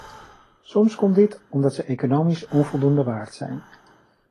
Soms komt dit omdat ze economisch onvoldoende waard zijn.